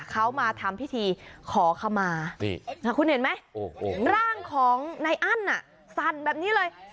เขามาทำพิธีขอขมานี่คุณเห็นไหมร่างของนายอั้นสั่นแบบนี้เลย